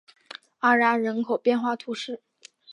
阿然人口变化图示